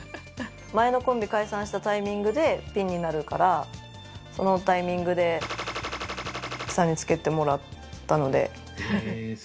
前のコンビ解散したタイミングでピンになるから、そのタイミングでさんにつけてもらったので。